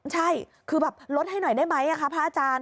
ใช่คือแบบลดให้หน่อยได้ไหมคะพระอาจารย์